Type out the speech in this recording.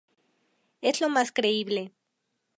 Es lo más creíble.